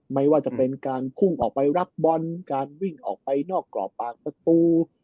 ไม่ว่าจะเป็นการพุ่งออกไปรับบอลการวิ่งออกไปนอกกรอบปากประตู